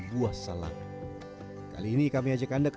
buah salak kali ini kami ajak anda ke